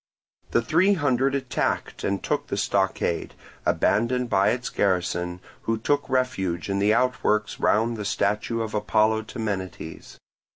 The three hundred attacked and took the stockade, abandoned by its garrison, who took refuge in the outworks round the statue of Apollo Temenites.